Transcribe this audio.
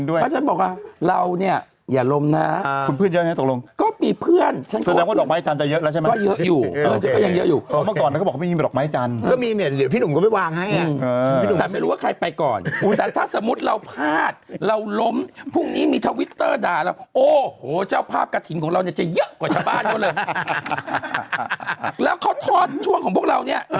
โอ้ยฉันจะซื้อในชีวิตฉันจะไม่เคยซื้อหวยเลย